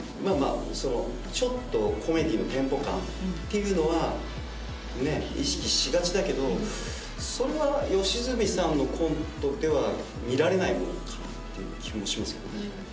ちょっとコメディーのテンポ感っていうのはねえ意識しがちだけどそれは吉住さんのコントでは見られないのかなっていう気もしますけどね。